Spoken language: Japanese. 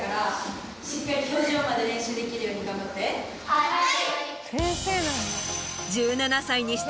はい！